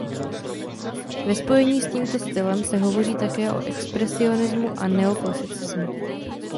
Ve spojení s tímto stylem se hovoří také o expresionismu a neoklasicismu.